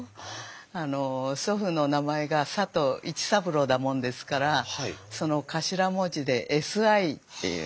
あの祖父の名前が佐藤市三郎だもんですからその頭文字で「Ｓ」「Ｉ」っていう。